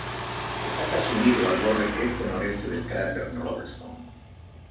Está casi unido al borde este-noreste del cráter Robertson.